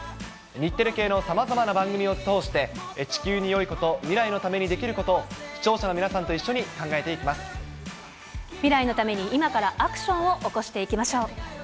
日テレ系のさまざまな番組を通して、地球によいこと、未来のためにできることを、視聴者の皆さん未来のために今からアクションを起こしていきましょう。